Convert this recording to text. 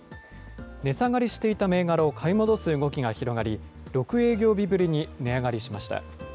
値下がりしていた銘柄を買い戻す動きが広がり、６営業日ぶりに値上がりしました。